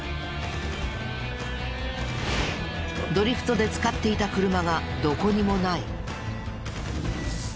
ドリフトで使っていた車がどこにもない。